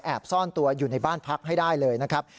ซ่อนตัวอยู่ในบ้านพักให้ได้เลยนะครับ